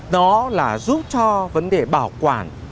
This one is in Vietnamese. nó là giúp cho vấn đề bảo quản